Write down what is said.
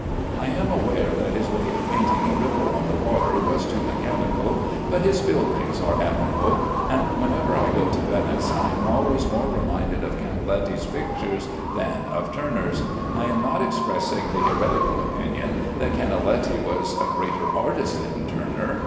I am aware that his way of painting a ripple on the water was too mechanical, but his buildings are admirable; and whenever I go to Venice I am always more reminded of Canaletti's pictures than of Turner's. I am not expressing the heretical opinion that Canaletti was a greater artist than Turner.